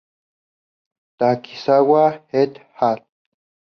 Takizawa et al.